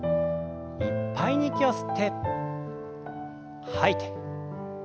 いっぱいに息を吸って吐いて。